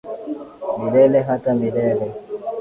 Milele hata milele.